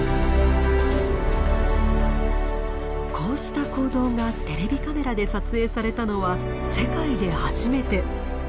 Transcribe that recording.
こうした行動がテレビカメラで撮影されたのは世界で初めて。